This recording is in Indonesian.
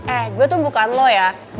eh saya bukan kamu